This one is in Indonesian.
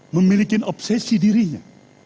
memiliki obsesi dirinya